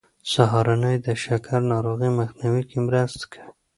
سهارنۍ د شکر ناروغۍ مخنیوی کې مرسته کوي.